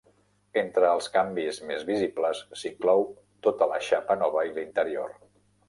Entre els canvis més visibles s'inclou tota la xapa nova i l'interior.